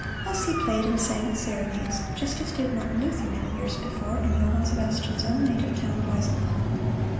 Thus he played and sang at serenades, just as did Martin Luther, many years before, in Johann Sebastian's own native town of Eisenach.